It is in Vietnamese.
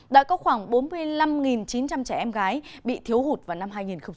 đã có khoảng bốn mươi năm chín trăm linh trẻ em gái bị thiếu hụt vào năm hai nghìn một mươi chín